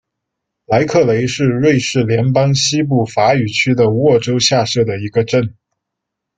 莱克雷是瑞士联邦西部法语区的沃州下设的一个镇。